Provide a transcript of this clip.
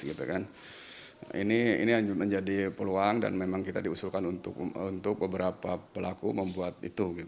ini menjadi peluang dan memang kita diusulkan untuk beberapa pelaku membuat itu